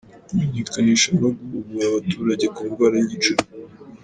Kumenyekanisha no guhugura abaturage ku ndwara y’igicuri ;.